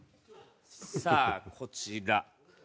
さあこちら。